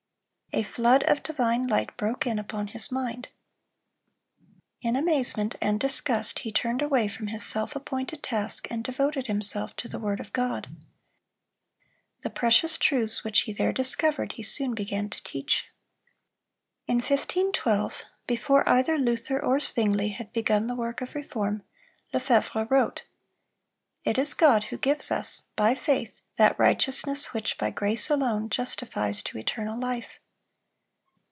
A flood of divine light broke in upon his mind. In amazement and disgust he turned away from his self appointed task, and devoted himself to the word of God. The precious truths which he there discovered, he soon began to teach. In 1512, before either Luther or Zwingle had begun the work of reform, Lefevre wrote: "It is God who gives us, by faith, that righteousness which by grace alone justifies to eternal life."